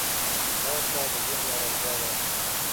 ځغاسته د ذهن ارمتیا ده